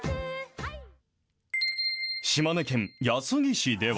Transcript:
島根県安来市では。